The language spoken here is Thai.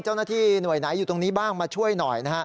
เจ้าหน้าที่หน่วยไหนอยู่ตรงนี้บ้างมาช่วยหน่อยนะฮะ